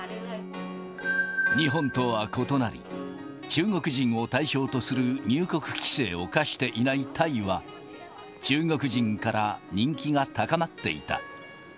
日本とは異なり、中国人を対象とする入国規制を課していないタイは、中国人から人気が高まっていた。